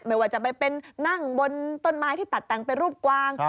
ไม่ว่าจะไปเป็นนั่งบนต้นไม้ที่ตัดแต่งเป็นรูปกวาง